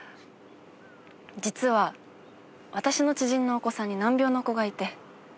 実は私の知人のお子さんに難病の子がいて。